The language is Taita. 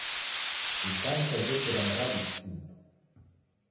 Ikanisa jechura miradi chiki.